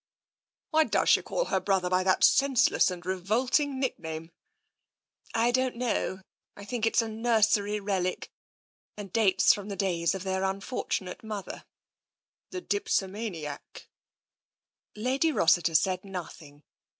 " Why does she call her brother by that senseless and revolting nickname? "" I don't know. I think it's a nursery relic, and dates from the da3rs of their unfortunate mother." The dipsomaniac? " Lady Rossiter said nothing.